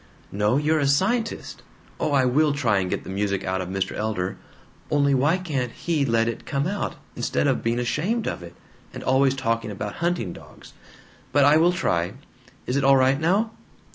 "No, you're a scientist. Oh, I will try and get the music out of Mr. Elder. Only, why can't he let it COME out, instead of being ashamed of it, and always talking about hunting dogs? But I will try. Is it all right now?"